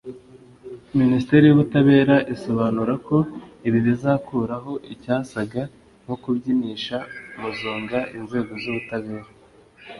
Minisiteri y’ubutabera isobanura ko ibi bizakuraho icyasaga nko kubyinisha muzunga inzego z’ubutabera